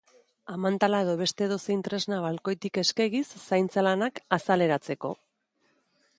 Amantala edo beste edozein tresna balkoitik eskegiz, zaintza lanak azaleratzeko.